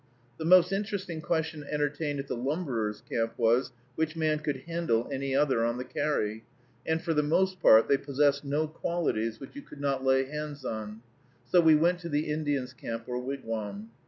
The most interesting question entertained at the lumberers' camp was, which man could "handle" any other on the carry; and, for the most part, they possessed no qualities which you could not lay hands on. So we went to the Indians' camp or wigwam.